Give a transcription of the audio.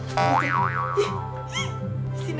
si nenek sihir dateng